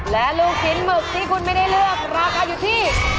และลูกชิ้นหมึกที่คุณไม่ได้เลือกราคาอยู่ที่